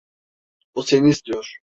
O seni istiyor.